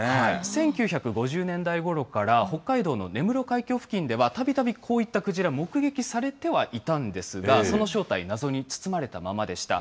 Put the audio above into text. １９５０年代ごろから北海道の根室海峡付近ではたびたびこういったクジラ、目撃されてはいたんですが、その正体、謎に包まれたままでした。